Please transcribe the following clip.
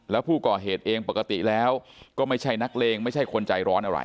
แล้วผู้ก่อเหตุเองปกติแล้วก็ไม่ใช่นักเลงไม่ใช่คนใจร้อนอะไร